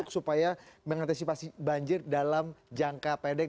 supaya mengantisipasi banjir dalam jangka pendek